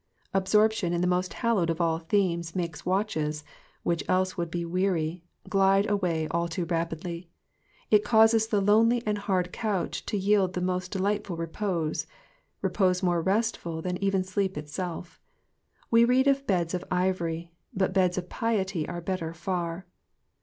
Absorption in the most hallowed of all themes makes watches, which else would be weary, glide away all too rapidly ; it causes the lonely and hard couch to yield the most de lightful repose — repose more restful than even sleep itself. We read of beds of ivory, but beds of piety are better far.